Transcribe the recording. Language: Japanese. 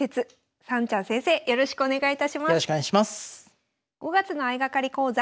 はい。